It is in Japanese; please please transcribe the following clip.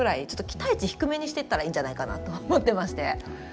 ちょっと期待値低めにしてったらいいんじゃないかなと思ってまして。